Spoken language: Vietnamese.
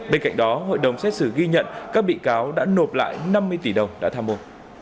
bên cạnh đó hội đồng xét xử ghi nhận các bị cáo đã nộp lại năm mươi tỷ đồng đã tham mưu